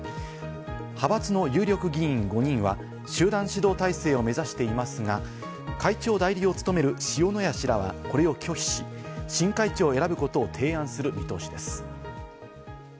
派閥の有力議員５人は集団指導体制を目指していますが、会長代理を務める塩谷氏らは、これを拒否し、新会長を選ぶことを提案する見通しです。